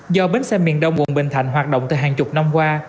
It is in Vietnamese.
do bến xe miền đông quận bình thạnh hoạt động từ hàng chục năm qua